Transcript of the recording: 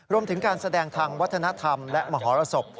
รวมถึงการแสดงทางวัฒนธรรมและมหรสบ